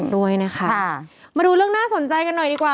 ด้วยนะคะมาดูเรื่องน่าสนใจกันหน่อยดีกว่า